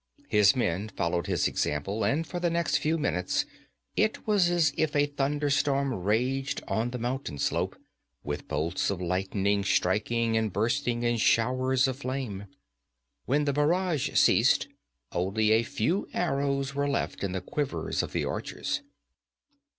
His men followed his example and for the next few minutes it was as if a thunderstorm raged on the mountain slope, with bolts of lightning striking and bursting in showers of flame. When the barrage ceased, only a few arrows were left in the quivers of the archers.